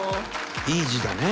いい字だね。